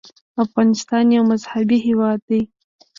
افغانستان یو مذهبي هېواد دی.